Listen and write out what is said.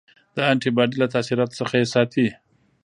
د انټي باډي له تاثیراتو څخه یې ساتي.